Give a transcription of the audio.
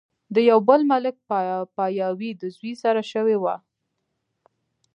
د يو بل ملک پاياوي د زوي سره شوې وه